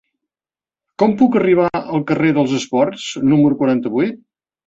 Com puc arribar al carrer dels Esports número quaranta-vuit?